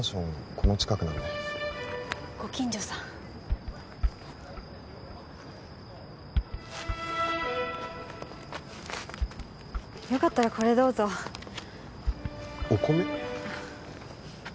この近くなんでご近所さんよかったらこれどうぞお米？